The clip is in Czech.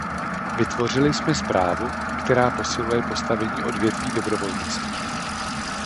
Vytvořili jsme zprávu, která posiluje postavení odvětví dobrovolnictví.